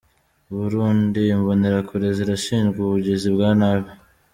Burundi: Imbonerakure zirashinjwa ubugizi bwa nabi.